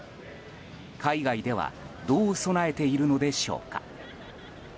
海外ではどう備えているのでしょうか。